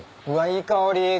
うわいい香り。